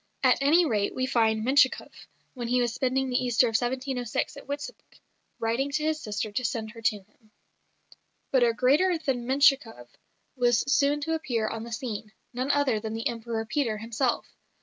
At any rate we find Menshikoff, when he was spending the Easter of 1706 at Witebsk, writing to his sister to send her to him. But a greater than Menshikoff was soon to appear on the scene none other than the Emperor Peter himself.